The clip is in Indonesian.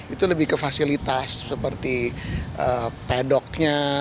itu lebih ke fasilitas seperti pedoknya